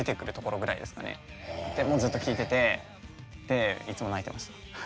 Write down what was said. ずっと聴いてていつも泣いてました